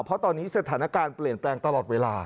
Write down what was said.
เพราะตอนนี้สถานการณ์เปลี่ยนแปลงตลอดเวลา